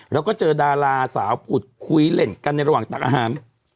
แล้วก็เจอดาราสาวผุดคุยเล่นกันในระหว่างตักอาหาร